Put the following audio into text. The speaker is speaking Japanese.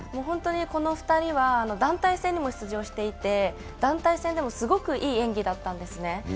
この２人は団体戦にも出場していて、団体戦でもすごくいい演技だったんですね。